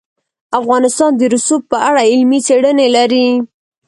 افغانستان د رسوب په اړه علمي څېړنې لري.